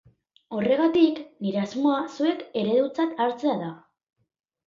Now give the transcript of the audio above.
Horregatik, nire asmoa zuek eredutzat hartzea da.